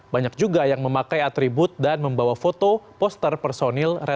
banyak juga yang memakai atribut dan membawa foto poster personil